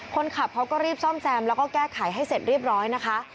คนขับเขาก็รีบซ่อมแซมแล้วก็แก้ไขให้เสร็จเรียบร้อยนะคะ